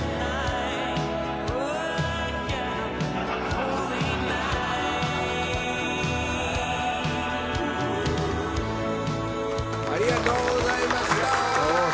大丈夫か？ありがとうございました。